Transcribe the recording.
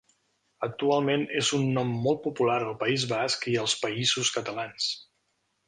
Actualment és un nom molt popular al País Basc i als Països Catalans.